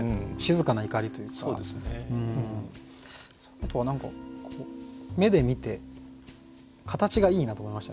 あとは何か目で見て形がいいなと思いましたね。